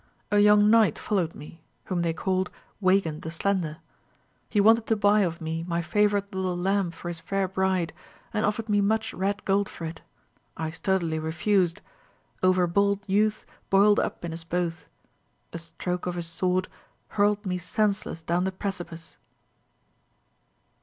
A young knight followed me, whom they called Weigand the Slender. He wanted to buy of me my favourite little lamb for his fair bride, and offered me much red gold for it. I sturdily refused. Over bold youth boiled up in us both. A stroke of his sword hurled me senseless down the precipice.